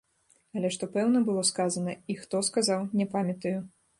Але што пэўна было сказана і хто сказаў, не памятаю.